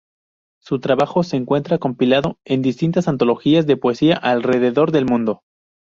Su trabajo se encuentra compilado en distintas antologías de poesía alrededor del mundo.